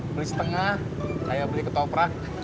beli setengah saya beli ketoprak